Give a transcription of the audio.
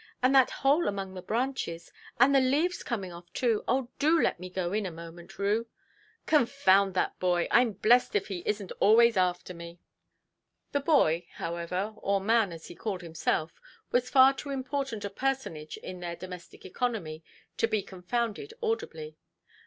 And that hole among the branches! And the leaves coming off too! Oh, do let me go in a moment, Rue!——" "Confound that boy! Iʼm blest if he isnʼt always after me". The boy, however, or man as he called himself, was far too important a personage in their domestic economy to be confounded audibly.